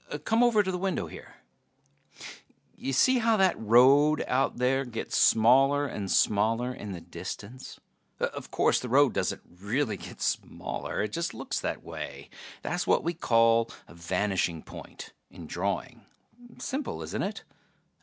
Come over to the window here. Ya see how that road out there gets smaller and smaller in the distance? Of course the road doesn't really get smaller it just looks that way. That's what we call a vanishing point in drawing. Simple, isn't it?